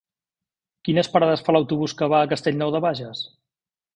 Quines parades fa l'autobús que va a Castellnou de Bages?